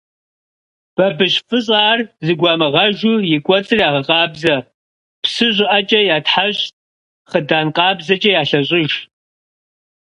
Бабыщ фыщӏар зэгуамыгъэжу и кӏуэцӏыр ягъэкъабзэ, псы щӀыӀэкӀэ ятхьэщӀ, хъыдан къабзэкӀэ ялъэщӀыж.